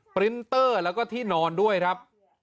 ปรินเตอร์แล้วก็ที่นอนด้วยครับ